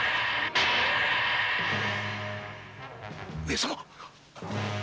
上様！